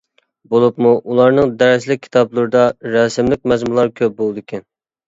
بولۇپمۇ ئۇلارنىڭ دەرسلىك كىتابلىرىدا رەسىملىك مەزمۇنلار كۆپ بولىدىكەن.